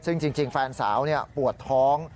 ซึ่งจริงแฟนสาวปวดท้อง